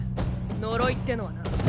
呪いってのはな